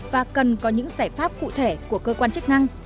và cần có những giải pháp cụ thể của cơ quan chức năng